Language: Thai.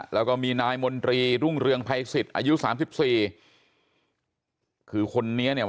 แล้วก็มีนายมนตรีรุ่งเรืองภัยสิทธิ์อายุสามสิบสี่คือคนนี้เนี่ย